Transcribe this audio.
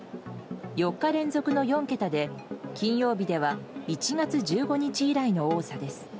４日連続の４桁で金曜日では１月１５日以来の多さです。